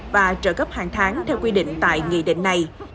và trợ cấp hàng tháng theo quy định tại nghị định này